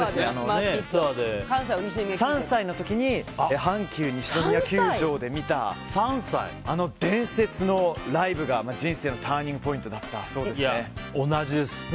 ３歳の時に阪急西宮球場で見たあの伝説のライブが人生のターニングポイントだったそうです。